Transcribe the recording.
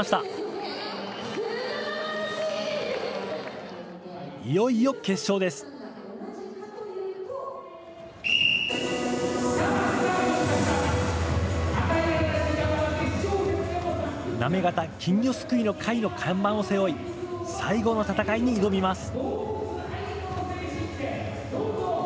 行方金魚すくいの会の看板を背負い、最後の戦いに挑みます。